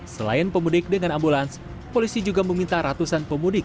selain pemudik dengan ambulans polisi juga meminta ratusan pemudik